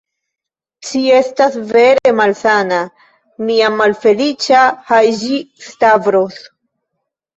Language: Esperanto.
Ci estas vere malsana, mia malfeliĉa Haĝi-Stavros.